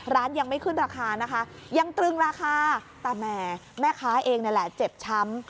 ร้านยังไม่ขึ้นราคานะคะยังตรึงราคาแต่แหมแม่ค้าเองนั่นแหละเจ็บช้ำ